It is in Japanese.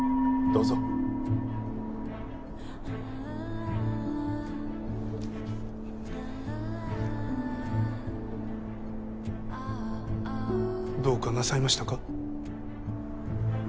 どうかなさいましたか？